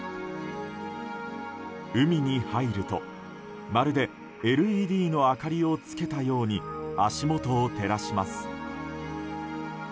海に入るとまるでＬＥＤの明かりをつけたように足元を照らします。